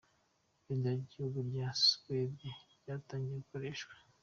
Ibendera ry’igihugu cya Suwede ryatangiye gukoreshwa.